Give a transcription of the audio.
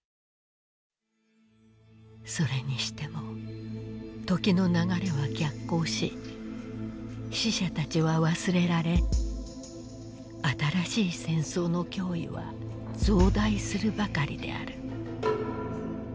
それにしても時の流れは逆行し死者たちは忘れられ新しい戦争の脅威は増大するばかりである。